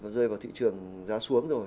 rơi vào thị trường giá xuống rồi